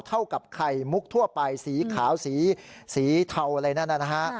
เท่ากับไข่มุกทั่วไปสีขาวสีเทาอะไรแบบนั้น